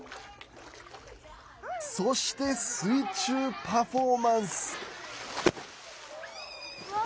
そして、水中パフォーマンス。